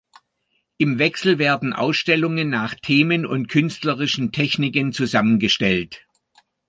Im Wechsel werden Ausstellungen nach Themen und künstlerischen Techniken zusammengestellt.